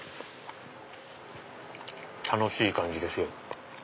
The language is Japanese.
楽しい感じですよ。